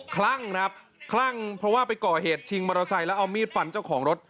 คลั่งครับคลั่งเพราะว่าไปก่อเหตุชิงมอเตอร์ไซค์แล้วเอามีดฟันเจ้าของรถ